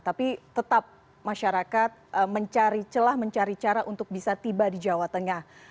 tapi tetap masyarakat mencari celah mencari cara untuk bisa tiba di jawa tengah